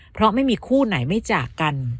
เพราะไม่มีคู่ไหนไม่จากกัน